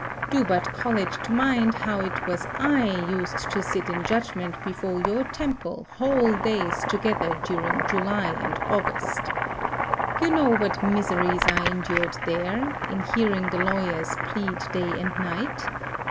Do but call it to mind, how it was I used to sit in judgment before your temple whole days together during July and August. You know what miseries I endured there, in hearing the lawyers plead day and night.